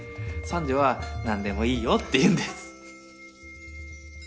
三女は「何でもいいよ」って言うんです。